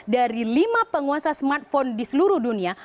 dari lima penguasa smartphone di seluruh dunia